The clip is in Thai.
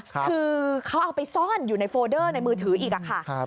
คือเขาเอาไปซ่อนอยู่ในโฟเดอร์ในมือถืออีกค่ะ